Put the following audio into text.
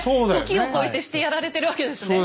時を超えてしてやられてるわけですね。